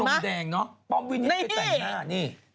แดงเนอะป้อมวินิตไปแต่งหน้านี่